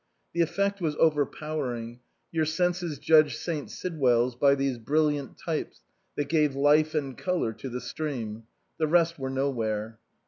The effect was overpowering ; your senses judged St. Sidwell's by these brilliant types that gave life and colour to the stream. The rest were nowhere.